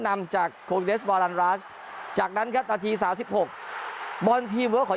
นำจากโคเดสบอลันราชจากนั้นครับนาที๓๖บอลทีมเวิร์คของ